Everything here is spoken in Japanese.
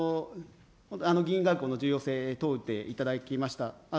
議員外交の重要性、問うていただきました。